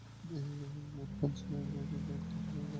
মনোহর যৈন ঘরে আছে?